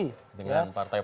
dengan partai partai lain